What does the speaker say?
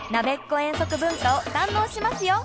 遠足文化を堪能しますよ！